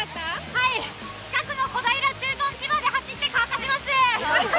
はい、近くの小平駐屯地まで走って乾かします。